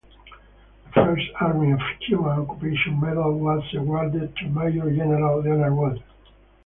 The first Army of Cuban Occupation Medal was awarded to Major General Leonard Wood.